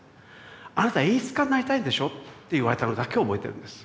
あなた演出家になりたいんでしょ？」って言われたのだけ覚えてるんです。